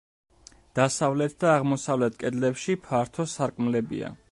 დასავლეთ და აღმოსავლეთ კედლებში ფართო სარკმლებია.